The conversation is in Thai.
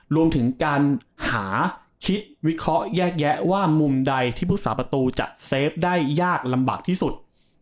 รวมถึงการหาคิดวิเคราะห์แยกแยะว่ามุมใดที่พุทธศาสประตูจะเซฟได้ยากลำบากที่สุด